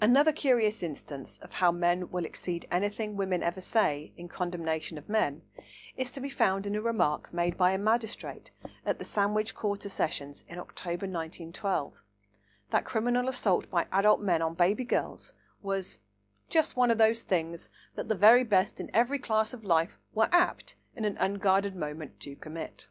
Another curious instance of how men will exceed anything women ever say in condemnation of men is to be found in a remark made by a magistrate at the Sandwich Quarter Sessions in October 1912, that criminal assault by adult men on baby girls was "just one of the things that the very best people in every class of life were apt in an unguarded moment to commit."